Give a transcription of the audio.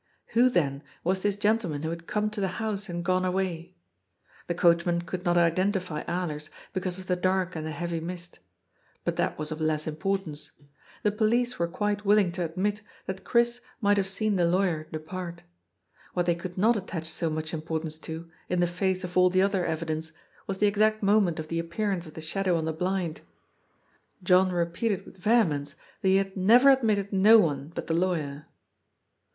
Who, then, was this gentleman who had come to the house and gone away ? The coachman could not identify Alers because of the dark and the heavy mist. But that was of less importance. The police were quite willing to admit that Chris might have seen the lawyer depart. What they could not attach so much importance to, in the face of all the other evidence, was the exact moment of the appear ance of the shadow on the blind. John repeated with vehemence, that he had " never admitted no one but the lawyer."